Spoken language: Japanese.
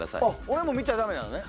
俺も見ちゃダメなのね。